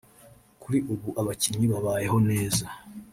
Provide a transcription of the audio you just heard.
Kuri ubu abakinnyi babayeho neza